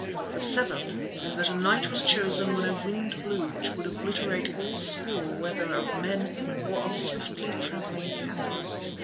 The seventh is that a night was chosen when a wind blew which would obliterate all spoor whether of men or of swiftly travelling camels.